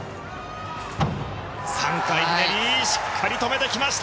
３回ひねりしっかり止めてきました。